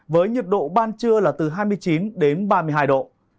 với nhiệt độ ban trưa là từ hai mươi chín đến ba mươi hai độ